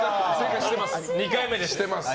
２回目でしてます。